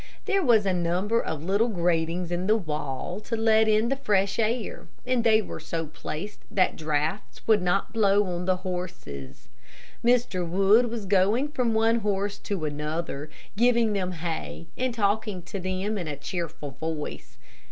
There was a number of little gratings in the wall to let in the fresh air, and they were so placed that drafts would not blow on the horses. Mr. Wood was going from one horse to another, giving them hay, and talking to them in a cheerful voice.